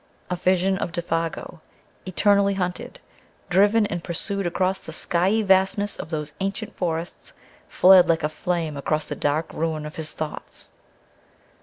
A vision of Défago, eternally hunted, driven and pursued across the skiey vastness of those ancient forests fled like a flame across the dark ruin of his thoughts